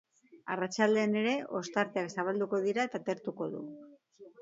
Arratsaldean ere, ostarteak zabalduko dira eta atertuko du.